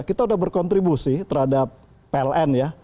kita sudah berkontribusi terhadap pln ya